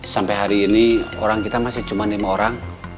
sampai hari ini orang kita masih cuma lima orang